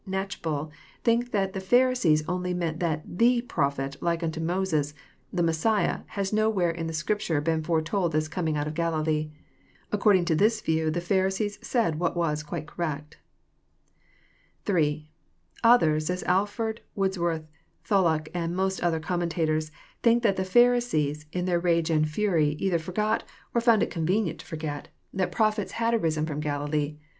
Knatchbull, think that the Pharisees only meant that THE Prophet like nnto Moses, the Messiah, has nowhere in the Scripture been foretold as coming out of Galilee." According to this view the Pharisees said what was quite correct. (3) Others, as Alford, Wordsworth, Tholuck, and most other commentators, think that the Pharisees, in their rage aiid fury, either forgot, or found it convenient to forget that prophets 60 EXFOsrroBY thoughts. had arisen from Galilee.